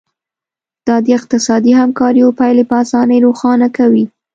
دا د اقتصادي همکاریو پایلې په اسانۍ روښانه کوي